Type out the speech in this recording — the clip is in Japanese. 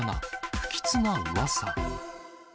不吉なうわさ。